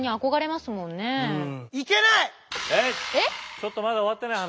ちょっとまだ終わってない話。